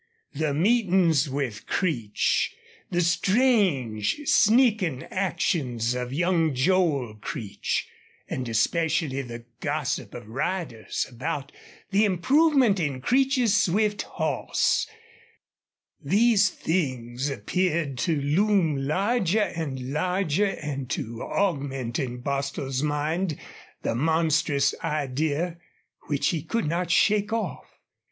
The meetings with Creech, the strange, sneaking actions of young Joel Creech, and especially the gossip of riders about the improvement in Creech's swift horse these things appeared to loom larger and larger and to augment in Bostil's mind the monstrous idea which he could not shake off.